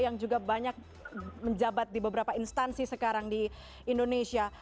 yang juga banyak menjabat di beberapa instansi sekarang di indonesia